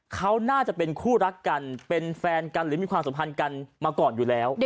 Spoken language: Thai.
เขาน่าจะเป็นคู่รักกันเป็นแฟนกันหรือมีความสัมพันธ์กันมาก่อนอยู่แล้ว